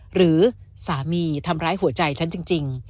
หรือสามีทำร้ายหัวใจฉันจริง